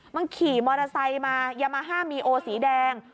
มันขี่มอเตอร์ไซค์มายามาฮ่ามีโอสีแดง